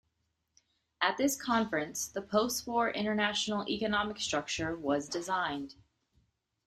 At this conference the post-war international economic structure was designed.